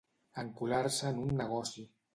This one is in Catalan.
Encular-se en un negoci.